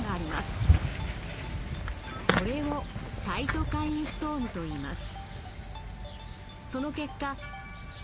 これをサイトカインストームと言います。